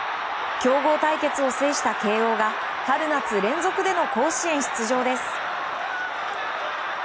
強豪対決を制した慶應が春夏連続での甲子園出場です。